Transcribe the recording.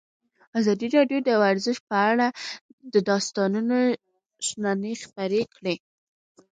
ازادي راډیو د ورزش په اړه د استادانو شننې خپرې کړي.